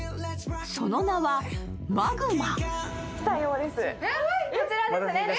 その名は、マグマ。